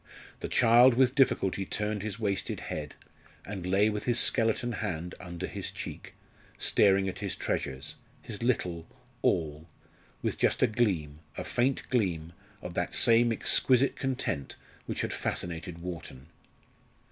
The child with difficulty turned his wasted head, and lay with his skeleton hand under his cheek, staring at his treasures his little, all with just a gleam, a faint gleam, of that same exquisite content which had fascinated Wharton.